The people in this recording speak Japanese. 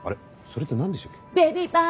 それって何でしたっけ？